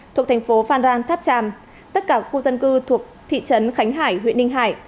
thuộc thành phố phan rang tháp tràm tất cả khu dân cư thuộc thị trấn khánh hải huyện ninh hải